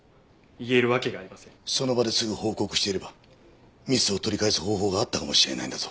その場ですぐ報告していればミスを取り返す方法があったかもしれないんだぞ。